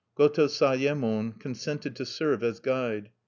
Goto Sayemon consented to serve as guide.